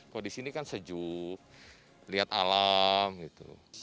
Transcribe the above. kalau di sini kan sejuk lihat alam gitu